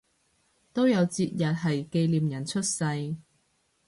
都有節日係紀念人出世